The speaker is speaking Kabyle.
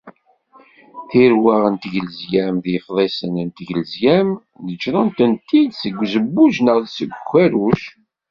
Tirwaɣ n yiglezyam d yifḍisen d teglezyam neǧǧren-tent-id seg uzebbuj neɣ seg ukerruc.